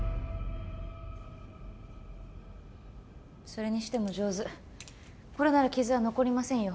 それにしても上手これなら傷は残りませんよ